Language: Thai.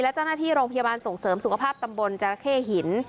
และเจ้าหน้าที่โรงพยาบาลส่งเสริมสุขภาพตำบลจราเข้หิน